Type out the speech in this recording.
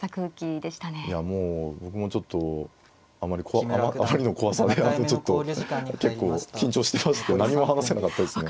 いやもう僕もちょっとあまりの怖さでちょっと結構緊張してまして何も話せなかったですね。